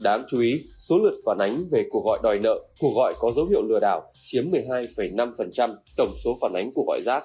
đáng chú ý số lượt phản ánh về cuộc gọi đòi nợ cuộc gọi có dấu hiệu lừa đảo chiếm một mươi hai năm tổng số phản ánh của gọi giác